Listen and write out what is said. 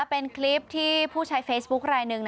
เป็นคลิปที่ผู้ใช้เฟซบุ๊คลายหนึ่ง